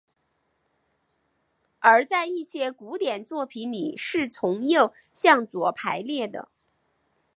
而在一些古典作品里是从右向左排列的。